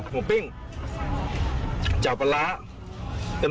หัวปิ้งเจาะปลาร้า